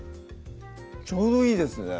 ちょうどいいですね